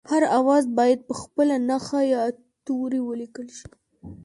هر آواز باید په خپله نښه یا توري ولیکل شي